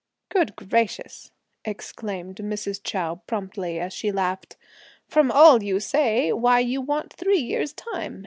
"Good gracious!" exclaimed Mrs. Chou promptly, as she laughed. "From all you say, why you want three years' time!